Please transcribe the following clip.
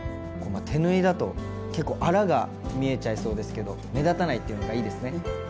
手縫いだと結構アラが見えちゃいそうですけど目立たないっていうのがいいですね。